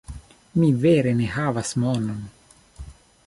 Mi vere ne havas monon